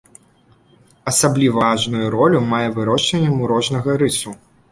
Асабліва важную ролю мае вырошчванне мурожнага рысу.